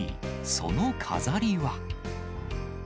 その飾りは。